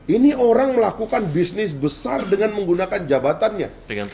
ini orang melakukan bisnis besar dengan menggunakan jabatannya